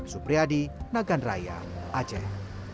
supriyadi nagan raya aceh